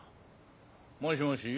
もしもし？